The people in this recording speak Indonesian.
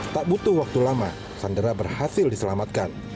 tak butuh waktu lama sandera berhasil diselamatkan